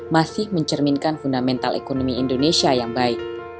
masih mencerminkan fundamental ekonomi indonesia yang baik